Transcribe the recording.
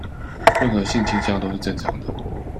任何性傾向都是正常的